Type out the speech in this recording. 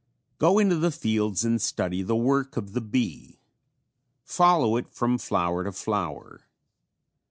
] Go into the fields and study the work of the bee. Follow it from flower to flower.